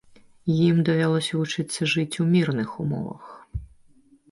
Ім давялося вучыцца жыць у мірных умовах.